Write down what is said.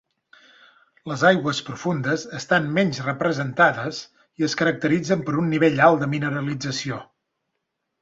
Les aigües profundes estan menys representades i es caracteritzen per un nivell alt de mineralització.